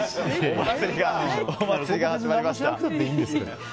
お祭りが始まりました。